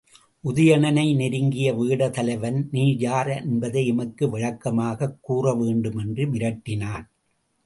உதயணனை நெருங்கிய வேடர் தலைவன், நீ யார் என்பதை எமக்கு விளக்கமாகக் கூறவேண்டும் என்று மிரட்டினான்.